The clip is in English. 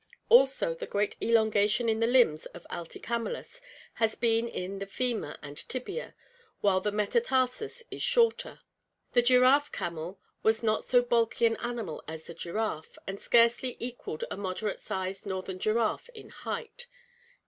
Also the great elongation in the limbs of Allicamelus has been in the femur and tibia, while the metatarsus is shorter. The giraffe camel was not so bulky an animal as the giraffe, and scarcely equalled a mod erate sized northern giraffe in height."